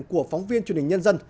của phóng viên truyền hình nhân dân